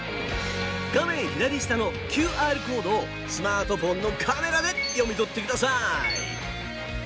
画面左下のＱＲコードをスマートフォンのカメラで読み取ってください。